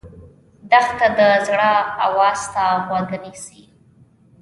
دښته د زړه آواز ته غوږ نیسي.